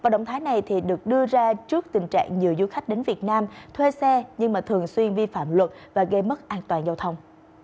động thái này được đưa ra trước tình trạng nhiều du khách đến việt nam thuê xe nhưng mà thường xuyên vi phạm luật và gây mất an toàn giao thông